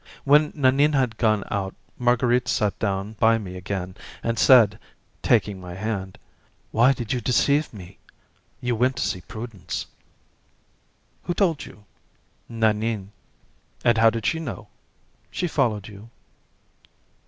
When Nanine had gone out Marguerite sat down by me again and said, taking my hand: "Why did you deceive me? You went to see Prudence." "Who told you?" "Nanine." "And how did she know?" "She followed you."